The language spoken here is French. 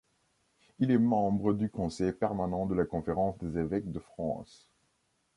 Il est membre du Conseil permanent de la Conférence des évêques de France.